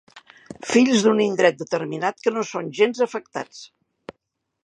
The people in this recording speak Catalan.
Fills d'un indret determinat que no són gens afectats.